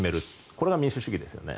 これが民主主義ですよね。